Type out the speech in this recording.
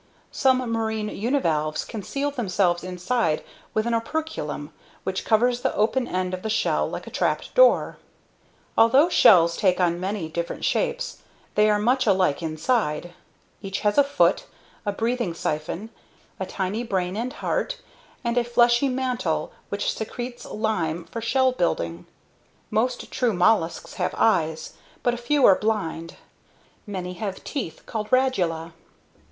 Some marine univalves can seal themselves inside with an operculum, which covers the open end of the shell like a trap door. Although shells take on many different shapes, they are much alike inside. Each has a foot, a breathing siphon, a tiny brain and heart, and a fleshy mantle which secretes lime for shell building. Most true mollusks have eyes, but a few are blind. Many have teeth, called RADULAE.